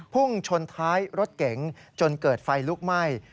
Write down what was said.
พุ่งชนท้ายรถเก๋งจนเกิดไฟลุกไหม้